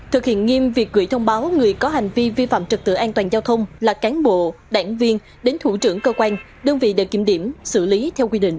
thực hiện nghiêm việc gửi thông báo người có hành vi vi phạm trật tự an toàn giao thông là cán bộ đảng viên đến thủ trưởng cơ quan đơn vị để kiểm điểm xử lý theo quy định